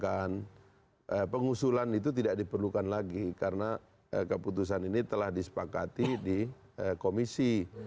karena pengusulan itu tidak diperlukan lagi karena keputusan ini telah disepakati di komisi